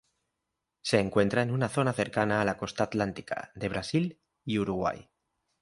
Se encuentra en una zona cercana a la costa atlántica de Brasil y Uruguay.